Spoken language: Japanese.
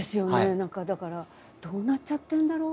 何かだからどうなっちゃってんだろう？